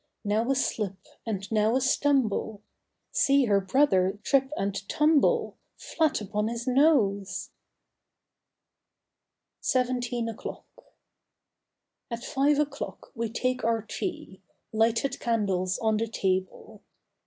Now a slip and now a stumble— See her brother trip and tumble Elat upon his nose! 41 SIXTEEN O'CLOCK 43 SEVENTEEN O'CLOCK 4T five o'clock we take our tea; xX Lighted candles on the table.